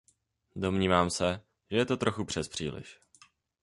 Domnívám se, že to je trochu přespříliš.